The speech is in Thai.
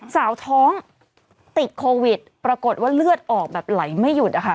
สาวท้องติดโควิดปรากฏว่าเลือดออกแบบไหลไม่หยุดนะคะ